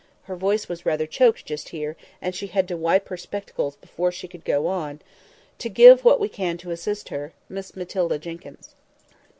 —her voice was rather choked just here, and she had to wipe her spectacles before she could go on—"to give what we can to assist her—Miss Matilda Jenkyns.